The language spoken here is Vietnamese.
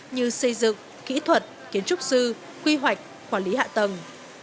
như xây dựng kỹ thuật kiến trúc sư quy hoạch quản lý hạ tầng